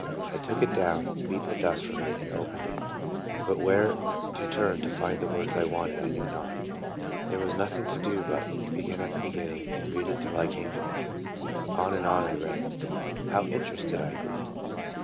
I took it down, beat the dust from it, and opened it. But where to turn to find the words I wanted I knew not. There was nothing to do but to begin at the beginning, and read till I came to them. On and on I read. How interested I grew!